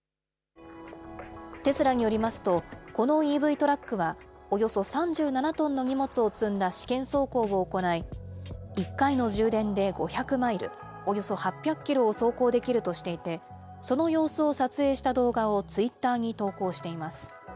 テスラによりますと、このＥＶトラックは、およそ３７トンの荷物を積んだ試験走行を行い、１回の充電で５００マイル、およそ８００キロを走行できるとしていて、その様子を撮影した動画をツイッターに投稿しています。